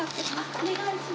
お願いします。